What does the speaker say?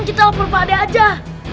kita lapor ke usahaja yuk bisa ke situ